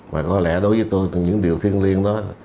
và có lẽ đối với tôi những điều thiêng liêng đó